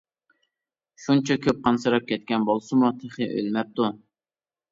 شۇنچە كۆپ قانسىراپ كەتكەن بولسىمۇ، تېخى ئۆلمەپتۇ.